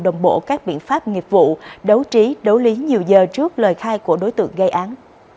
đồng bộ các biện pháp nghiệp vụ đấu trí đấu lý nhiều giờ trước lời khai của đối tượng gây án